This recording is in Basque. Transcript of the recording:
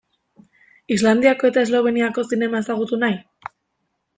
Islandiako eta Esloveniako zinema ezagutu nahi?